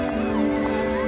dan tempat nongkrong terbaik